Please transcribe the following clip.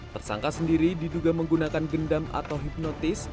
tersangka sendiri diduga menggunakan gendam atau hipnotis